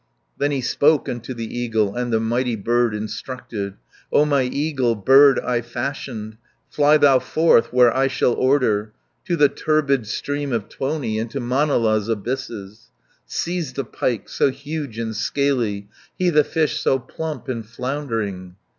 Then he spoke unto the eagle, And the mighty bird instructed: "O my eagle, bird I fashioned, Fly thou forth, where I shall order, To the turbid stream of Tuoni, And to Manala's abysses: 200 Seize the pike, so huge and scaly, He the fish so plump and floundering."